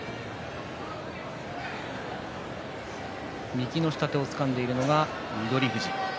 右の下手をつかんでいるのは翠富士。